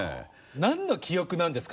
何の記憶なんですか？